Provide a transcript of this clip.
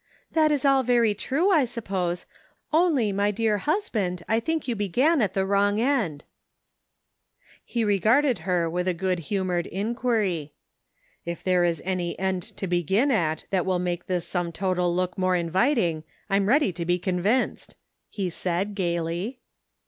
" That is all very true, I suppose, only my dear husband, I think you began at the wrong end !" The Sum Total. 19 He regarded her with a good humored in quiry. " If there is any end to begin at that will make this sum total look more inviting, I'm ready to be convinced," he said, gayly.